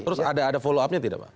terus ada follow up nya tidak pak